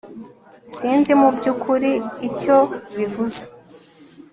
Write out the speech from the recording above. sinzi mubyukuri icyo bivuze